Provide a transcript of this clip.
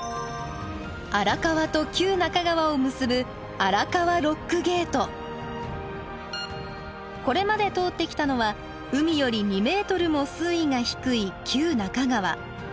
荒川と旧中川を結ぶこれまで通ってきたのは海より２メートルも水位が低い旧中川。